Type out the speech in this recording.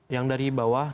yang dari bawah